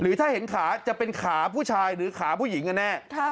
ถ้าเห็นขาจะเป็นขาผู้ชายหรือขาผู้หญิงกันแน่